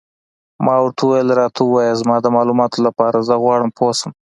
ما ورته وویل: راته ووایه، زما د معلوماتو لپاره، زه غواړم پوه شم.